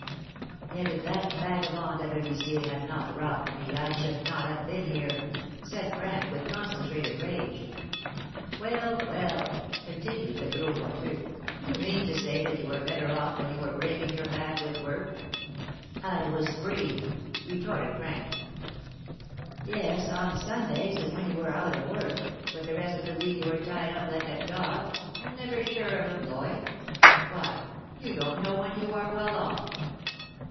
"Yet if that vagabond of a huissier had not robbed me I should not have been here," said Frank, with concentrated rage. "Well, well," continued the Gros Boiteux, "do you mean to say that you were better off when you were breaking your back with work?" "I was free," retorted Frank. "Yes, on Sundays and when you were out of work, but the rest of the week you were tied up like a dog, and never sure of employ. Why, you don't know when you are well off."